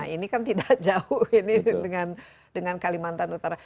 ini kan tidak jauh ini dengan kalimantan utara